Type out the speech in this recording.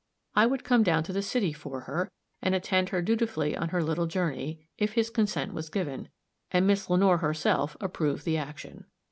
I would come down to the city for her, and attend her dutifully on her little journey, if his consent was given, and Miss Lenore herself approved the action.